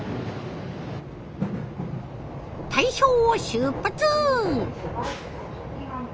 大正を出発！